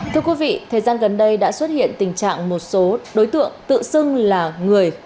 thưa quý vị thời gian gần đây đã xuất hiện tình trạng một số đối tượng tự xưng là người